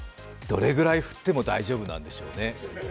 どれぐらい振っても大丈夫なんでしょうね。